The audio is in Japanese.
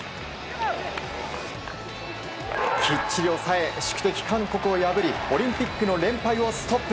きっちり抑え宿敵、韓国を破りオリンピックの連敗をストップ。